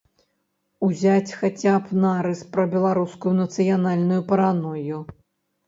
Узяць хаця б нарыс пра беларускую нацыянальную паранойю.